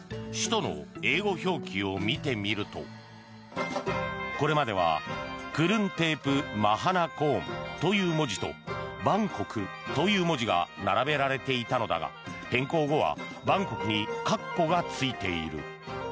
首都の英語表記を見てみるとこれまではクルンテープ・マハナコーンという文字とバンコクという文字が並べられていたのだが変更後はバンコクに括弧がついている。